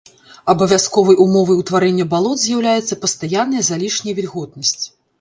Абавязковай умовай утварэння балот з'яўляецца пастаянная залішняя вільготнасць.